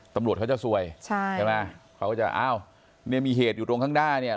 ตำรวจเขาจะซวยเขาจะอ้าวมีเหตุอยู่ตรงข้างหน้า